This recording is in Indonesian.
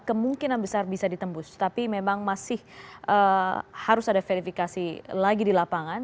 kemungkinan besar bisa ditembus tapi memang masih harus ada verifikasi lagi di lapangan